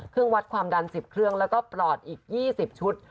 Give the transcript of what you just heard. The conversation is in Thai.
เครื่องวัดความดันสิบเครื่องแล้วก็ปลอดอีกยี่สิบชุด